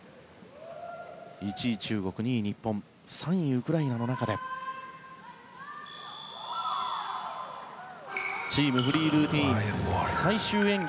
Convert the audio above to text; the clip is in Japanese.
１位、中国２位、日本３位、ウクライナの中でチームフリールーティン最終演技